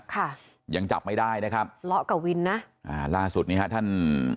ค่ะยังจับไม่ได้นะครับเลาะกับวินนะอ่าล่าสุดนี้ฮะท่าน